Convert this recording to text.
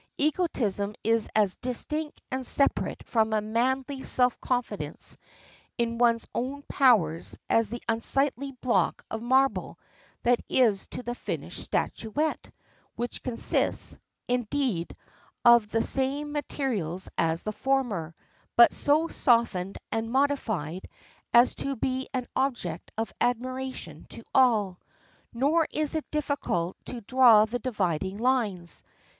Egotism is as distinct and separate from a manly self confidence in one's own powers as the unsightly block of marble is to the finished statuette, which consists, indeed, of the same materials as the former, but so softened and modified as to be an object of admiration to all. Nor is it difficult to draw the dividing lines.